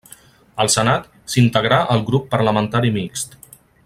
Al senat, s'integrà al grup parlamentari mixt.